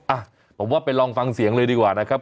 อ่ะผมว่าไปลองฟังเสียงเลยดีกว่านะครับ